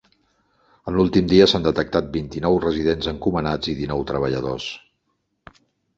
En l’últim dia s’han detectat vint-i-nou residents encomanats i dinou treballadors.